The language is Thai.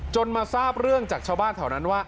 มาทราบเรื่องจากชาวบ้านแถวนั้นว่า